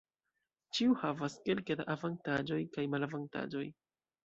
Ĉiu havas kelke da avantaĝoj kaj malavantaĝoj.